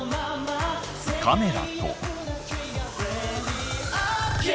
カメラと。